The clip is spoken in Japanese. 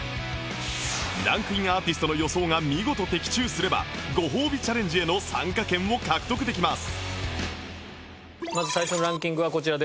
ランクインアーティストの予想が見事的中すればご褒美チャレンジへの参加券を獲得できます